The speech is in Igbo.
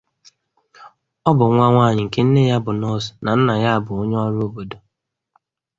Ọ bụ nwa nwanyị nke nne ya bụ nọọsụ na nna yabụ onye ọrụ obodo.